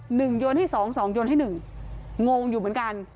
โยนให้สองสองโยนให้หนึ่งงงอยู่เหมือนกัน